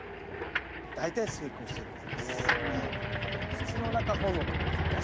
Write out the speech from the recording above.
土の中保存ってことですよね。